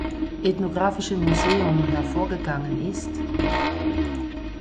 Ethnographische Museum hervorgegangen ist.